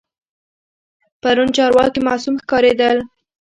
پرون چارواکي معصوم ښکارېدل.